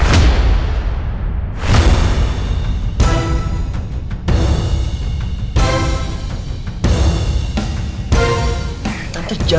kalau kamu medical